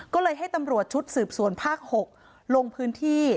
ก็เลยให้ตำรวจชุดสืบสวนภาค๖ลงพื้นที่